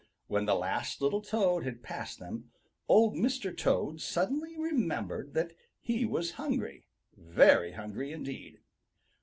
When the last little Toad had passed them, Old Mr. Toad suddenly remembered that he was hungry, very hungry indeed.